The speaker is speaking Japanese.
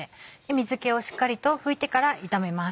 水気をしっかりと拭いてから炒めます。